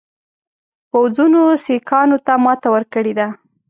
پوځونو سیکهانو ته ماته ورکړې ده.